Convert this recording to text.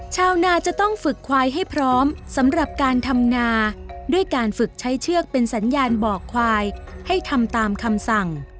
ชาวนาจะต้องฝึกควายให้พร้อมสำหรับการทำนาด้วยการฝึกใช้เชือกเป็นสัญญาณบอกควายให้ทำตามคำสั่ง